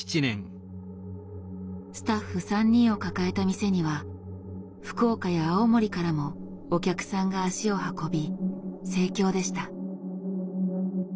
スタッフ３人を抱えた店には福岡や青森からもお客さんが足を運び盛況でした。